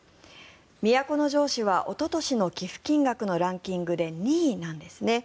都城市はおととしの寄付金額のランキングで２位なんですね。